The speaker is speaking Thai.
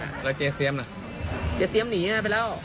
อ่ะแล้วเจสเซียมเหรอเจสเซียมหนีอ่ะไปแล้ว